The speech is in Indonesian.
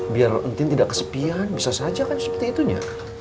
biar intinya tidak kesepian bisa saja kan seperti itunya